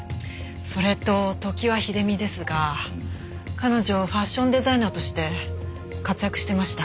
それと常盤秀美ですが彼女ファッションデザイナーとして活躍してました。